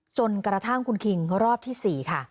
จนกระทั่งคุณคิงรอบที่๔ค่ะ